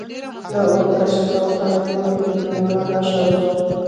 د اور کشف کول د راتلونکو بدلونونو نښه وه.